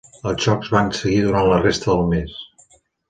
Els xocs van seguir durant la resta del mes.